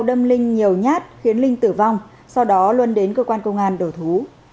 đâm linh nhiều nhát khiến linh tử vong sau đó luân đến cơ quan công an đầu thú